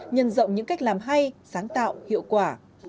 nhân rộng những cách làm hay sáng tạo hiệu quả